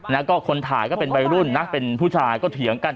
แล้วก็คนถ่ายก็เป็นวัยรุ่นนะเป็นผู้ชายก็เถียงกัน